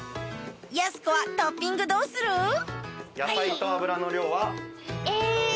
やす子はトッピングどうする？え。